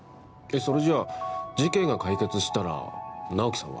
それじゃぁ、事件が解決したら直木さんは？